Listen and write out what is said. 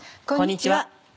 こんにちは。